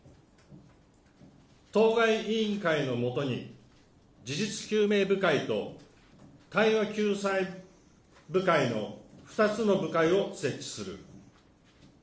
当該委員会のもとに事実究明部会と対話救済部会の２つの部会を設置する。